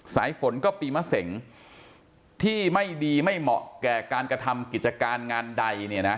สายฝนก็ปีมะเสงที่ไม่ดีไม่เหมาะแก่การกระทำกิจการงานใดเนี่ยนะ